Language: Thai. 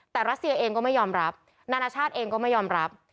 แต่รัสเซียเองก็ไม่ยอมรับนานาชาติเองก็ไม่ยอมรับ